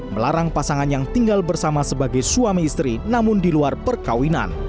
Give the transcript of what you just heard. melarang pasangan yang tinggal bersama sebagai suami istri namun di luar perkawinan